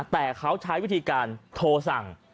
แต่เขาใช้วิธีการโทรสั่ง